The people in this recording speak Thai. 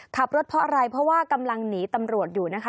ขับรถเพราะอะไรเพราะว่ากำลังหนีตำรวจอยู่นะคะ